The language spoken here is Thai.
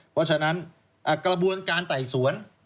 เพราะฉะนั้นกระบวนการไต่สวน